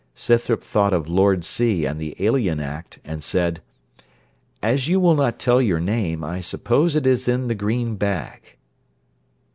Scythrop thought of Lord C. and the Alien Act, and said, 'As you will not tell your name, I suppose it is in the green bag.'